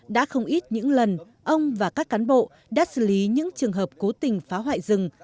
đã không ít những lần ông và các cán bộ đã xử lý những trường hợp cố tình phá hoại rừng